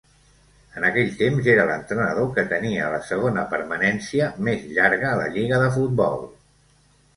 En aquell temps era l'entrenador que tenia la segona permanència més llarga a la Lliga de Futbol.